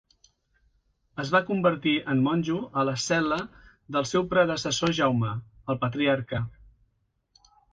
Es va convertir en monjo a la cel·la del seu predecessor Jaume, el patriarca.